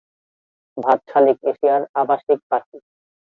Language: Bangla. ভাত শালিক এশিয়ার আবাসিক পাখি।